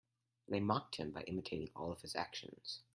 They mocked him by imitating all of his actions.